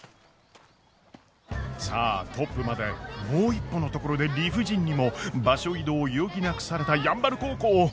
さあトップまでもう一歩のところで理不尽にも場所移動を余儀なくされた山原高校。